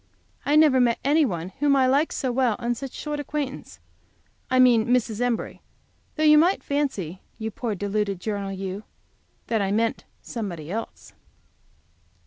I never met any one whom I liked so well on so short acquaintance I mean Mrs. Embury, though you might fancy, you poor deluded journal you, that I meant somebody else.